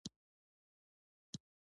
د دوی ماشومان زیاتره همدلته لوبې کوي.